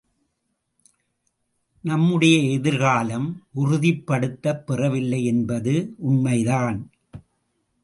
நம்முடைய எதிர்காலம் உறுதிப்படுத்தப் பெறவில்லை என்பது உண்மைதான்.